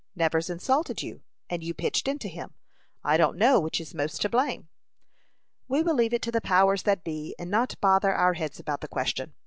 Nevers insulted you, and you pitched into him. I don't know which is most to blame." "We will leave it to the powers that be, and not bother our heads about the question.